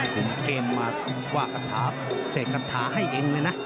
กลุ่มเกมมากว้ากระถาเสกกระถาให้เองเลยนะ